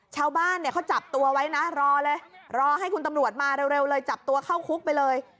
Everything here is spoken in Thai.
ชาวบ้านเนี่ยเขาจับตัวไว้นะรอเลยรอให้คุณตำรวจมาเร็วเลยจับตัวเข้าคุกไปเลย